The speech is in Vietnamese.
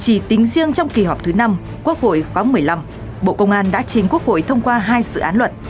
chỉ tính riêng trong kỳ họp thứ năm quốc hội khoáng một mươi năm bộ công an đã chính quốc hội thông qua hai sự án luật